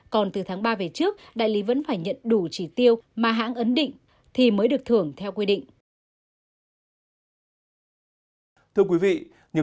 còn từ tháng ba về trước đại lý vẫn phải nhận đủ chỉ tiêu mà hãng ấn định thì mới được thưởng theo quy định